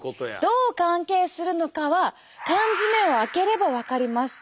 どう関係するのかは缶詰を開ければわかります。